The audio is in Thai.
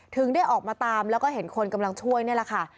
ถึงได้ออกมาตามแล้วก็เห็นคนกำลังช่วยนี่แหละค่ะ